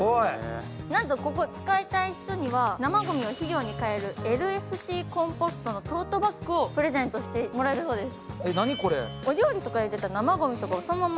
なんとここ、使いたい人には、生ごみを飼料にかえるＬＦＧコンポストのトートバッグをプレゼントしてもらえます。